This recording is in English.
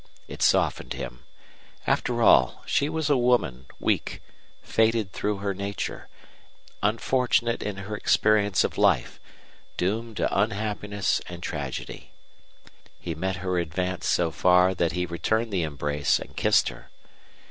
It softened him. After all, she was a woman, weak, fated through her nature, unfortunate in her experience of life, doomed to unhappiness and tragedy. He met her advance so far that he returned the embrace and kissed her.